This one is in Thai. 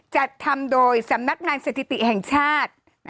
จัดทำโดยสำนักงานสถิติแห่งชาติ